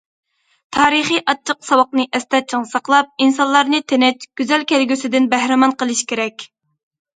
تارىخى ئاچچىق ساۋاقنى ئەستە چىڭ ساقلاپ، ئىنسانلارنى تىنچ، گۈزەل كەلگۈسىدىن بەھرىمەن قىلىش كېرەك.